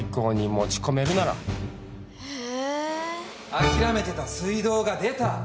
諦めてた水道が出た。